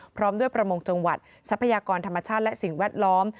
พร้อมด้วยประมงจังหวัดทรัพยากรธรรมชาติและสิ่งแวดล้อม